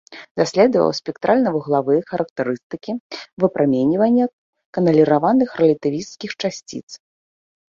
Даследаваў спектральна-вуглавыя характарыстыкі выпраменьвання каналіраваных рэлятывісцкіх часціц.